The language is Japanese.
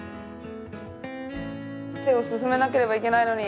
手を進めなければいけないのに。